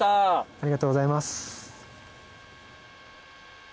ありがとうございます。